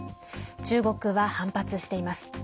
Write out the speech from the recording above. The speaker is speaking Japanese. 中国は反発しています。